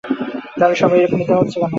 তাহলে সবাই এ-রকম মিথ্যা কথা বলছে কেন?